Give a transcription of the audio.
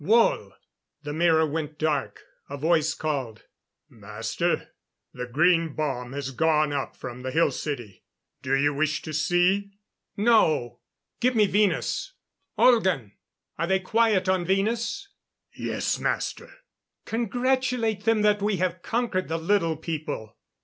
Wohl!" The mirror went dark. A voice called: "Master, the green bomb has gone up from the Hill City! Do you wish to see?" "No.... Give me Venus. Olgan! Are they quiet on Venus?" "Yes, Master." "Congratulate them that we have conquered the Little People.